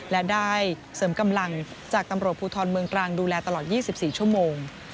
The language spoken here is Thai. และได้เสริมกำลังจากตำรวจภูทรเมืองตรังดูแลตลอด๒๔ชั่วโมง